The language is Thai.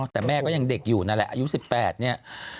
แต่แม่ก็ยังเด็กอยู่นั่นแหละอายุ๑๘เนี่ย